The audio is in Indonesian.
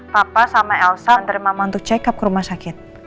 papa sama elsa menerima mama untuk check up ke rumah sakit